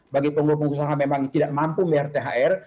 bagi pengusaha pengusaha memang tidak mampu membiarkan thr